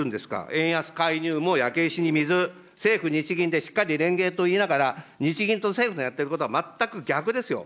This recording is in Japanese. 円安介入も焼け石に水、政府・日銀でしっかり連携と言いながら、日銀と政府のやってることは全く逆ですよ。